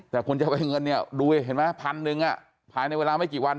แต่คนจะไปเงินเนี่ยดูเห็นไหมพันหนึ่งภายในเวลาไม่กี่วัน